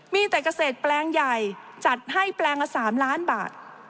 มีแต่เกษตรแปลงใหญ่จัดให้แปลงละ๓ล้านบาท